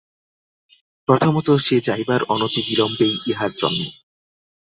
প্রথমত, সে যাইবার অনতিবিলম্বেই ইহার জন্ম।